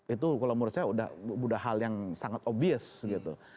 itu kalau menurut saya sudah hal yang sangat obvious gitu